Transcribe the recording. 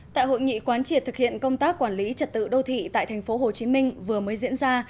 tại hội nghị quán triệt thực hiện công tác quản lý trật tự đô thị tại tp hcm vừa mới diễn ra